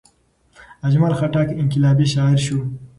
اجمل خټک انقلابي شاعر شو.